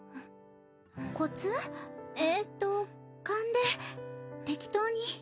えっと勘で適当に。